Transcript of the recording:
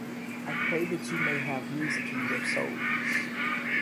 I pray that you may have music in your souls.